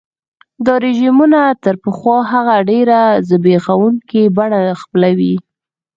دا رژیمونه تر پخوا هغه ډېره زبېښونکي بڼه خپلوي.